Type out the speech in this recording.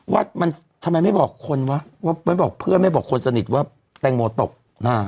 ว่ามันทำไมไม่บอกคนวะว่าไม่บอกเพื่อนไม่บอกคนสนิทว่าแตงโมตกอ่า